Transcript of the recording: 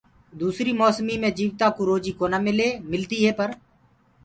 دوسريٚ موسميٚ مي جيوتآنٚ ڪو روجيٚ ڪونآ ملي ملدي هي پر